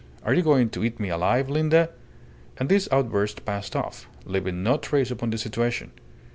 Are you going to eat me alive, Linda?" And this outburst passed off leaving no trace upon the situation.